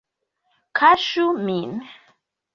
Kaŝu min!